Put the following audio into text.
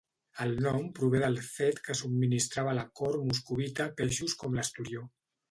El nom prové del fet que subministrava a la cort moscovita peixos com l'esturió.